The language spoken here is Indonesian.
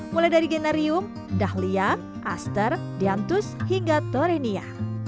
mulai dari generium dahlia aster diantus hingga to sisdhenia